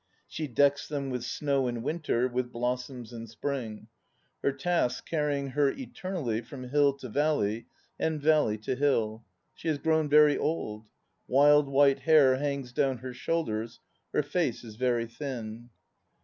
She decks them with snow in winter, with blossoms in spring; her task carrying her eternally from hill to valley and valley to hill. She has grown very old. Wild white hair hangs down her shoulders; her face is very thin.